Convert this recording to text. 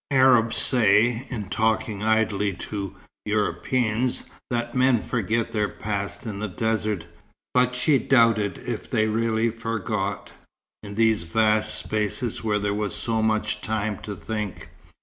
Arabs say, in talking idly to Europeans, that men forget their past in the desert, but she doubted if they really forgot, in these vast spaces where there was so much time to think.